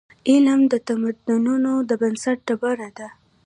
علم د تمدنونو د بنسټ ډبره ده.